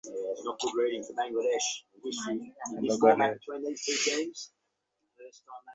দোকানে দুজন একসঙ্গে গিয়েই এ জন্য হয়তো পাঞ্জাবি কেনা হবে বললেন নাবিলা।